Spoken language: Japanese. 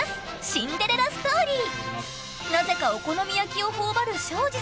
シンデレラストーリー！